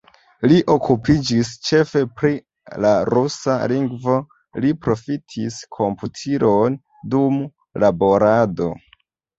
Li okupiĝis ĉefe pri la rusa lingvo, li profitis komputilon dum laborado.